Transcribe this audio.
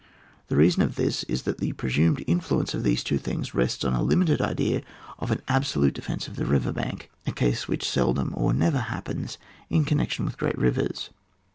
The reason of this is, that the presumed influence of these two things rests on the limited idea of an absolute defence of the river bank — a case which seldom or never happens in connection with great rivers.